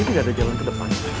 ini gak ada jalan ke depan